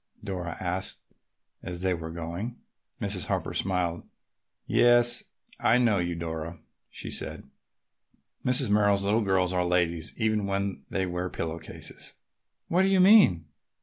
Dora asked as they were going. Mrs. Harper smiled. "Yes, I know you, Dora," she said. "Mrs. Merrill's little girls are ladies even when they wear pillow cases." "What did she mean?"